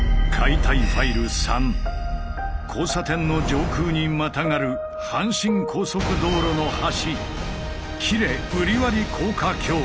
交差点の上空にまたがる阪神高速道路の橋